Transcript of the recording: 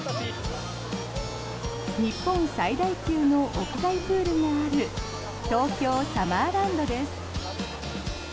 日本最大級の屋外プールのある東京サマーランドです。